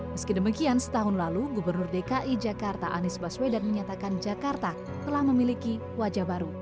meski demikian setahun lalu gubernur dki jakarta anies baswedan menyatakan jakarta telah memiliki wajah baru